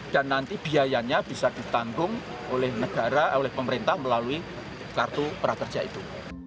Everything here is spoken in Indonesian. dan nanti biayanya bisa ditanggung oleh negara oleh pemerintah melalui kartu prakerja itu